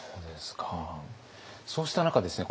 そうした中ですね